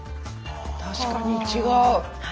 確かに違う。